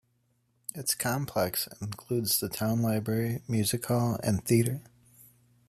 Its complex includes the town library, music hall and theater.